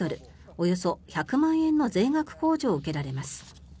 およそ１００万円の税額控除を受けられます。